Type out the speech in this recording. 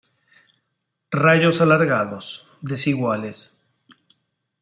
Rayos alargados, desiguales.